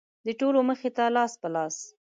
د ټولو مخې ته لاس په لاس.